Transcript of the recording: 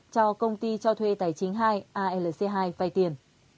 cho công ty cho thuê tài chính hai alc hai vay tiền